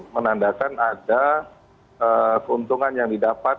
menandakan ada keuntungan yang didapat